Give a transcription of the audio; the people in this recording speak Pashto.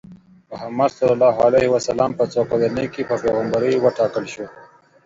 محمد ص په څو کلنۍ کې په پیغمبرۍ وټاکل شو؟